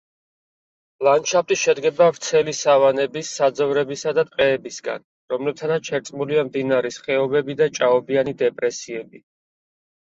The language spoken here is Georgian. ლანდშაფტი შედგება ვრცელი სავანების, საძოვრებისა და ტყეებისგან, რომლებთანაც შერწყმულია მდინარის ხეობები და ჭაობიანი დეპრესიები.